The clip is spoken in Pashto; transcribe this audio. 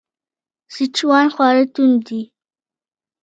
سیچوان خواړه توند دي.